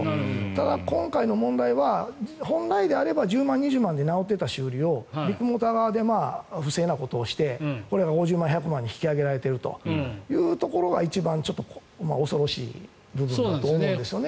ただ、今回の問題は本来であれば１０万、２０万で直っていた修理をビッグモーター側で不正なことをしてこれが５０万円、１００万円に引き上げられているところが一番恐ろしい部分かなと思うんですよね。